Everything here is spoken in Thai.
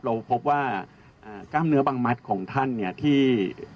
เราพบว่ากล้ามเนื้อบางมัดของท่านเนี่ยที่